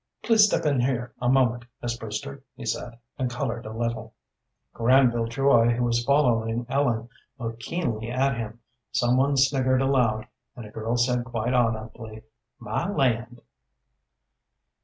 "Please step in here a moment, Miss Brewster," he said, and colored a little. Granville Joy, who was following Ellen, looked keenly at him, some one sniggered aloud, and a girl said quite audibly, "My land!"